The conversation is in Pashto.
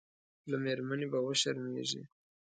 له مېرمنې به وشرمېږي.